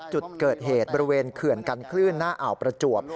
จุดเกิดเหตุบริเวณเขื่อนกันคลื่นหน้าอ่าวประจวบ